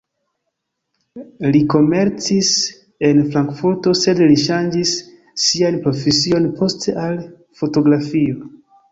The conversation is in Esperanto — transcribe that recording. Li komercis en Frankfurto, sed li ŝanĝis sian profesion poste al fotografio.